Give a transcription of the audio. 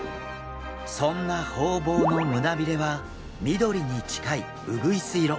そんなホウボウの胸びれは緑に近いうぐいす色。